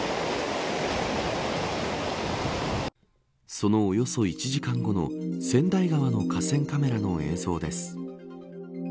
そのおよそ１時間後の千代川の河川カメラの映像です。